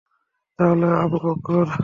তাহলে আবু বকর!